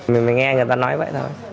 mình mới nghe người ta nói vậy thôi